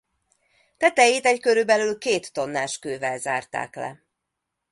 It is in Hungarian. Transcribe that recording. Tetejét egy körülbelül két tonnás kővel zárták le.